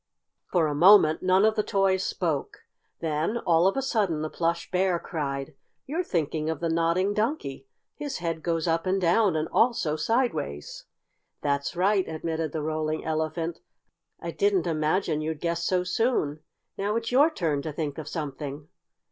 For a moment none of the toys spoke. Then, all of a sudden, the Plush Bear cried: "You're thinking of the Nodding Donkey! His head goes up and down and also sideways." "That's right!" admitted the Rolling Elephant. "I didn't imagine you'd guess so soon. Now it's your turn to think of something."